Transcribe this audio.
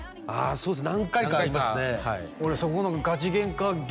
そうですかね